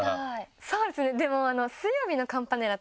そうですねでも。